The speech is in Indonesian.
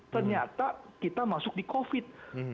ternyata kita masuk di covid